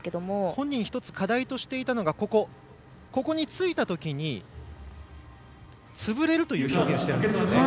本人が１つ課題としていたのがここについた時に潰れるという表現をしているんですよね。